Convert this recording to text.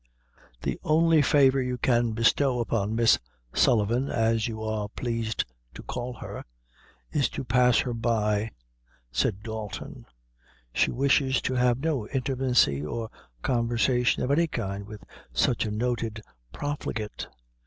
"The only favor you can bestow upon Miss Sullivan, as you are plaised to call her, is to pass her by," said Dalton; "she wishes to have no intimacy nor conversation of any kind with such a noted profligate.